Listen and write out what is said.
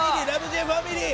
Ｊファミリー！